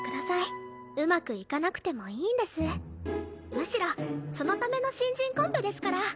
むしろそのための新人コンペですから。